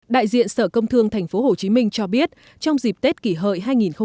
đại diện sở công thương tp hcm cho biết trong dịp tết kỷ hợi hai nghìn một mươi chín